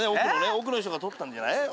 奥の人が撮ったんじゃない？